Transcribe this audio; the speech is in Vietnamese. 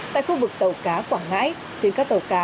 tại khu vực tàu cá quảng ngãi trên các tàu cá